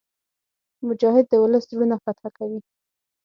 مجاهد د ولس زړونه فتح کوي.